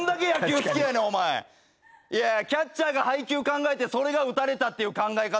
キャッチャーが配球考えてそれが打たれたって考え方？